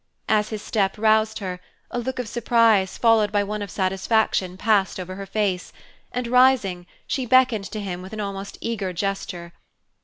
As his step roused her, a look of surprise, followed by one of satisfaction, passed over her face, and, rising, she beckoned to him with an almost eager gesture.